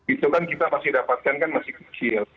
itu kan kita masih dapatkan kan masih kecil